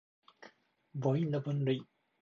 母音の分類